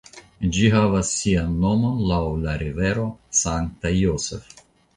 Ĝi havas sian nomon laŭ la rivero St. Joseph.